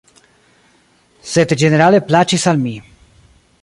Sed ĝenerale plaĉis al mi.